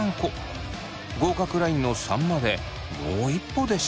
合格ラインの３までもう一歩でした。